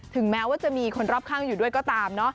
แม้ว่าจะมีคนรอบข้างอยู่ด้วยก็ตามเนอะ